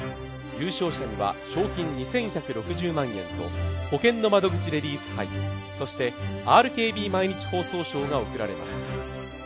優勝者には賞金２１６０万円とほけんの窓口レディース杯そしてＲＫＢ毎日放送賞が贈られます。